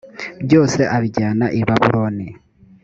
byose abijyana i babuloni